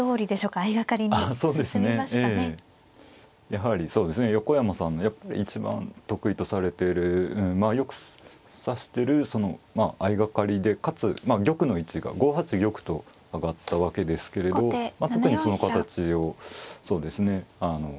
やはりそうですね横山さんのやっぱり一番得意とされてるまあよく指してる相掛かりでかつ玉の位置が５八玉と上がったわけですけれど特にその形をそうですねまあ